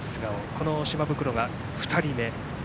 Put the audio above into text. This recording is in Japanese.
この島袋が、２人目。